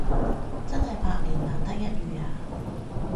真係百年難得一遇呀